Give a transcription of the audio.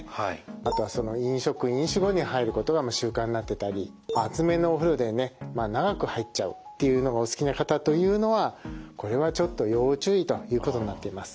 あとは飲食・飲酒後に入ることが習慣になってたり熱めのお風呂でね長く入っちゃうっていうのがお好きな方というのはこれはちょっと要注意ということになっています。